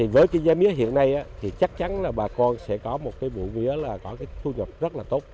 với chuyên gia mía hiện nay thì chắc chắn là bà con sẽ có một cái bụi mía là có cái thu nhập rất là tốt